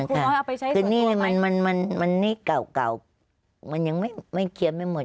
ครูน้อยเอาไปใช้ส่วนตัวไปคือหนี้มันหนี้เก่ามันยังไม่เคลียร์ไม่หมด